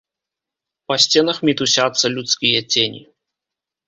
Па сценах мітусяцца людскія цені.